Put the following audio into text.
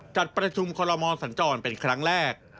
จัดประชุมคอลโลมอนสัญจรเป็นครั้งแรก